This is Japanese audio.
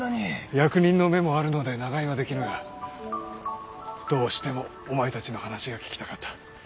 役人の目もあるので長居はできぬがどうしてもお前たちの話が聞きたかった。